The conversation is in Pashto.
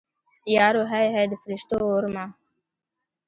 یارو هی هی د فریشتو اورمه